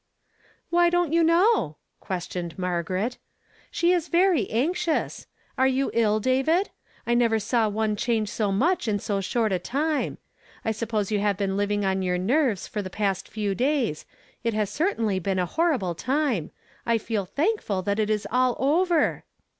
" Why don't you know? " questioned Margaret. "She is very anxious. Are you ill, David? I never saw one change so much in so short a time. I suppose you have been living on your nerves for the past few days. It has certainly been a horri ble time. I feel thankful that it is all over."